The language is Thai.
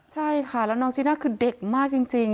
ใช่ค่ะแล้วน้องจีน่าคือเด็กมากจริง